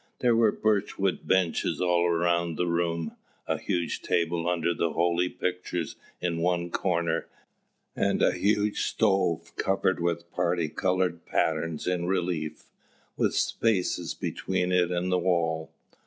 There were birch wood benches all around the room, a huge table under the holy pictures in one corner, and a huge stove covered with particoloured patterns in relief, with spaces between it and the wall.